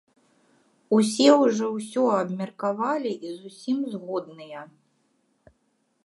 Усе ўжо ўсё абмеркавалі і з усім згодныя.